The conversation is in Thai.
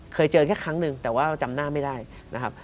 เคยเจอแค่ครั้งหนึ่งแต่ว่าจำหน้าไม่ได้นะครับ